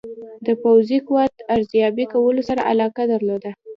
د پوځي قوت ارزیابي کولو سره علاقه درلوده.